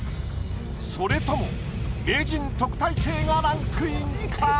それとも名人・特待生がランクインか？